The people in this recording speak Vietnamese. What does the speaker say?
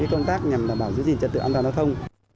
công tác nhằm đảm bảo giữ gìn trật tự an toàn giao thông